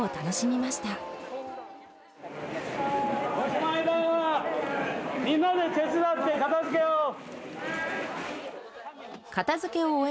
みんなで手伝って片づけよう。